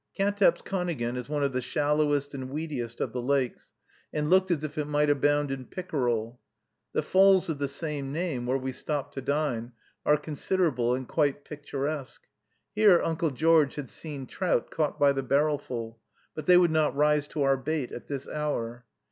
Katepskonegan is one of the shallowest and weediest of the lakes, and looked as if it might abound in pickerel. The falls of the same name, where we stopped to dine, are considerable and quite picturesque. Here Uncle George had seen trout caught by the barrelful; but they would not rise to our bait at this hour.